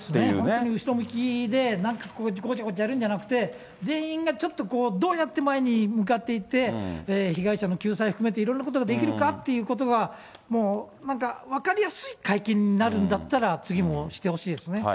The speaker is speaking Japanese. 本当に後ろ向きで、なんかこう、ごちゃごちゃやるんじゃなくて、全員がちょっと、どうやって前に向かっていって、被害者の救済含めていろいろなことができるかっていうことが、なんか分かりやすい会見になるんだったら、次もしてほしいですね。